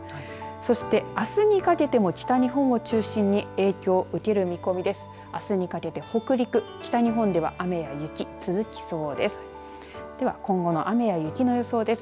そしてあすにかけても北日本を中心に影響を受ける見込みです。